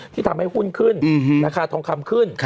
ที่ทำให้หุ้นขึ้นราคาทองคำขึ้น